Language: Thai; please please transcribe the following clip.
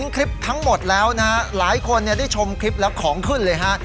คลิปทั้งหมดแล้วนะฮะหลายคนได้ชมคลิปแล้วของขึ้นเลยฮะ